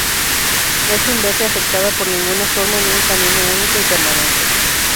Es, sin verse afectada por ninguna forma en un camino único y permanente.